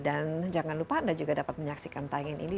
dan jangan lupa anda juga dapat menyaksikan tanya ini